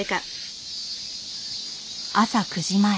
朝９時前。